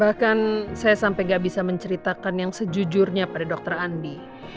bahkan saya sampai gak bisa menceritakan yang sejujurnya pada dokter andi